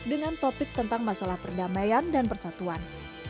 dengan topik tentang masalah perdamaian dan persatuan